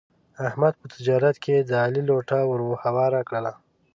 احمد په تجارت کې د علي لوټه ور هواره کړله.